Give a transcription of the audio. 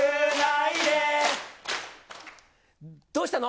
どうしたの？